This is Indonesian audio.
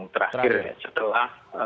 yang terakhir ya